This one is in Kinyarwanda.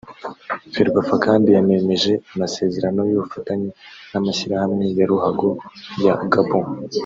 Ferwafa kandi yanemeje amasezerano y’ubufatanye n’amashyirahamwe ya ruhago ya Gabon